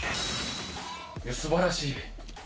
すばらしい。